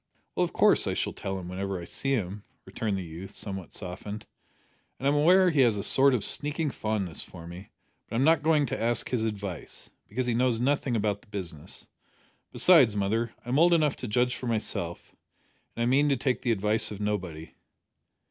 "Well, of course I shall tell him whenever I see him," returned the youth, somewhat softened; "and I'm aware he has a sort of sneaking fondness for me; but I'm not going to ask his advice, because he knows nothing about the business. Besides, mother, I am old enough to judge for myself, and mean to take the advice of nobody."